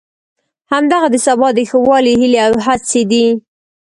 همدغه د سبا د ښه والي هیلې او هڅې دي.